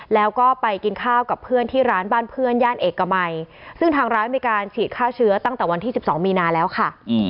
แล้วก็ไปกินข้าวกับเพื่อนที่ร้านบ้านเพื่อนย่านเอกมัยซึ่งทางร้านมีการฉีดฆ่าเชื้อตั้งแต่วันที่๑๒มีนาแล้วค่ะ